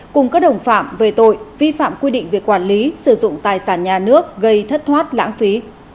cùng các đồng phạm về tội vi phạm quy định về quản lý sử dụng tài sản nhà nước gây thất thoát lãng phí